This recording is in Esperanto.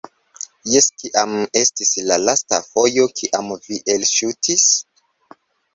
- Jes kiam estis la lasta fojo kiam vi elŝutis?